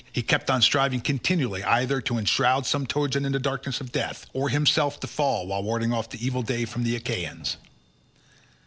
He kept on striving continually either to enshroud some Trojan in the darkness of death, or himself to fall while warding off the evil day from the Achaeans.